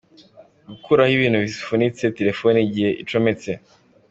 Gukuraho ibintu bifunitse telefoni igihe uyicometse.